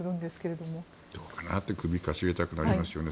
どうかなって首をかしげたくなりますよね。